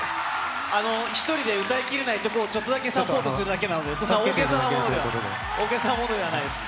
あの、１人で歌いきれないところを、ちょっとだけサポートするだけなので、そんな大げさなものでは、大げさなものではないです。